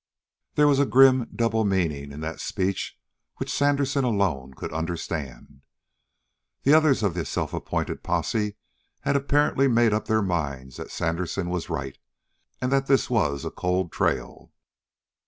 There was a grim double meaning in that speech which Sandersen alone could understand. The others of the self appointed posse had apparently made up their minds that Sandersen was right, and that this was a cold trail.